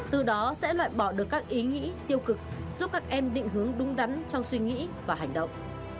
từ đó sẽ loại bỏ được các ý nghĩ tiêu cực giúp các em định hướng đúng đắn trong suy nghĩ và hành động